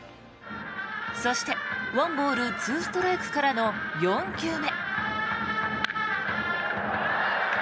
そして１ボール２ストライクからの４球目。